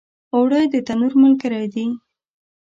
اوړه د تنور ملګری دي